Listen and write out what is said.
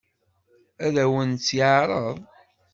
Ad awen-tt-yeɛṛeḍ?